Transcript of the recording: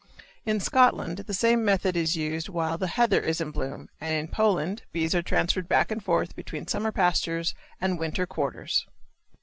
In Scotland the same method is used while the heather is in bloom and in Poland bees are transferred back and forth between summer pastures and winter quarters.